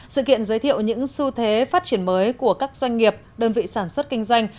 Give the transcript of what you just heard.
sự kiện giới thiệu những xu thế phát triển mới của các doanh nghiệp đơn vị sản xuất kinh doanh